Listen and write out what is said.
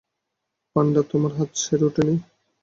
পান্ডা, তোমার হাত সেরে ওঠেনি!